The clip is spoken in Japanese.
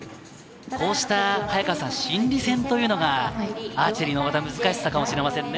こうした心理戦というのがアーチェリーのまた難しさかもしれませんね。